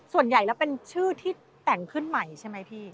ส่วนใหญ่แล้วเป็นชื่อที่แต่งขึ้นใหม่ใช่ไหมพี่